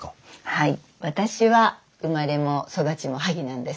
はい。